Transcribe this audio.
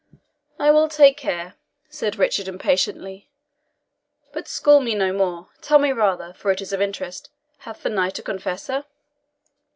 "I will take care," said Richard impatiently; "but school me no more. Tell me rather, for it is of interest, hath the knight a confessor?"